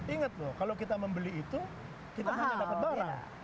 ingat loh kalau kita membeli itu kita hanya dapat barang